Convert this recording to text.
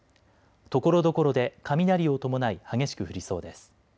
ところどころで雷を伴い激しく降りそうです。